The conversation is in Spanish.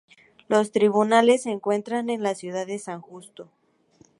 Los tribunales se encuentran en la ciudad de San Justo.